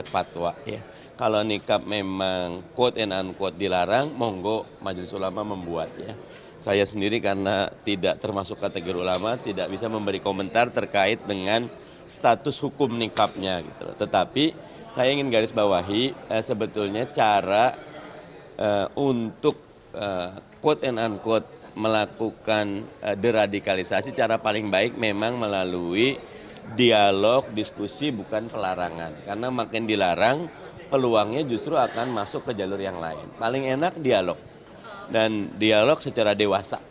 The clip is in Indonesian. pemerintah sebaiknya tidak melakukan insuransi